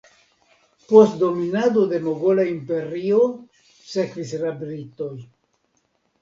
Post dominado de Mogola Imperio sekvis la britoj.